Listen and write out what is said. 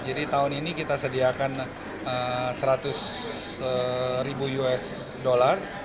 jadi tahun ini kita sediakan seratus ribu us dollar